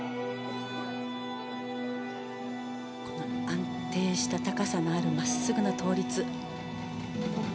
安定した高さのある真っすぐな倒立。